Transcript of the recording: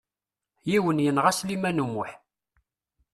Yiwen yenɣa Sliman U Muḥ.